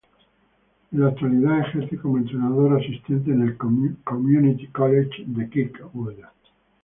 En la actualidad ejerce como entrenador asistente en el "Community College" de Kirkwood.